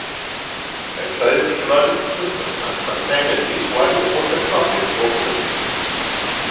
A closed ecological system must contain at least one autotrophic organism.